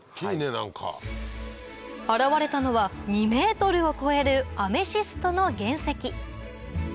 現れたのは２ｍを超えるアメシストの原石